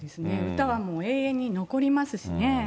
歌はもう永遠に残りますしね。